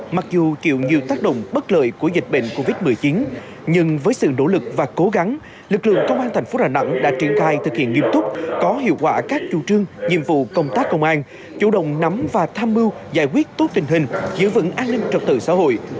mặc dù chịu nhiều tác động bất lợi của dịch bệnh covid một mươi chín nhưng với sự nỗ lực và cố gắng lực lượng công an thành phố đà nẵng đã triển khai thực hiện nghiêm túc có hiệu quả các chủ trương nhiệm vụ công tác công an chủ động nắm và tham mưu giải quyết tốt tình hình giữ vững an ninh trật tự xã hội